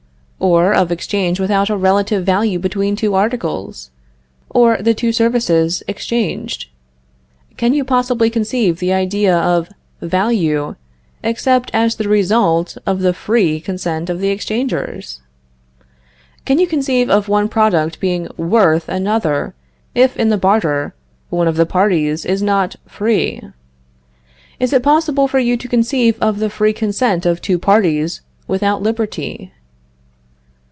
Or of exchange without a relative value between the two articles, or the two services, exchanged? Can you possibly conceive the idea of value, except as the result of the free consent of the exchangers? Can you conceive of one product being worth another, if, in the barter, one of the parties is not free? Is it possible for you to conceive of the free consent of two parties without liberty?